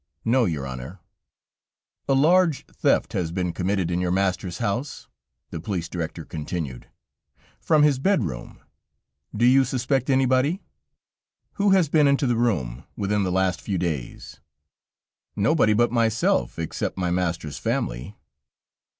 "No, your Honor." "A large theft has been committed in your master's house," the police director continued, "from his bedroom. Do you suspect anybody? Who has been into the room, within the last few days?" "Nobody but myself, except my master's family."